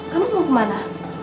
kamu mau kemana